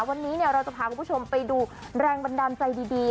วันนี้เราจะพาคุณผู้ชมไปดูแรงบันดาลใจดี